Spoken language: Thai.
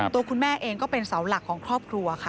ตัวคุณแม่เองก็เป็นเสาหลักของครอบครัวค่ะ